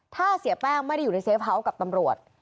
ถ้าเสียแป้งไม่ได้อยู่ในเฟฟ้ากับตำรวจ